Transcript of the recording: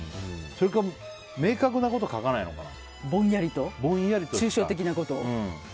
それか明確なこと書かないのかな。